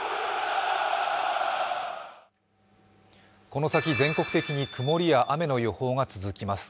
この先、全国的に曇りや雨の予報が続きます。